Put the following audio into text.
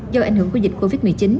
do ảnh hưởng của dịch covid một mươi chín